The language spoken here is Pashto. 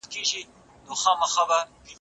سوداګر باید محتاط وي.